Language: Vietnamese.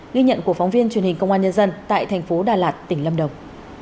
ghi nhận của phóng viên truyền hình công an nhân dân tại thành phố đà lạt tỉnh lâm đồng